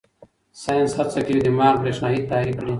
ساینس هڅه کوي دماغ برېښنايي تحریک کړي.